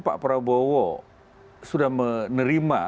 pak prabowo sudah menerima